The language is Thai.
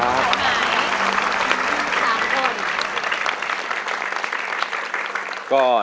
ช้างแม่๑๓คน